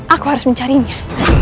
aku harus mencarinya